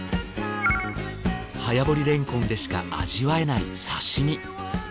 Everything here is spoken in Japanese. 早掘りれんこんでしか味わえない刺身。